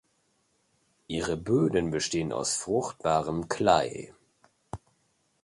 Ihre Böden bestehen aus fruchtbarem Klei.